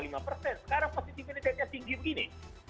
sekarang positivity ratenya tinggi begini